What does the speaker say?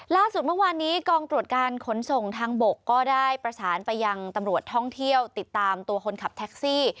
ล่าสุดเมื่อวานนี้กองตรวจการขนส่งทางบกก็ได้ประสานไปยังตำรวจท่องเที่ยวติดตามตัวคนขับแท็กซี่